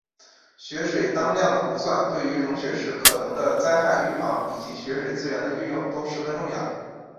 雪水当量的估算对于融雪时可能的灾害预防以及雪水资源的运用都十分重要。